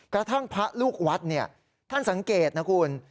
กระทั่งพระลูกวัดท่านสังเกตนะคุณ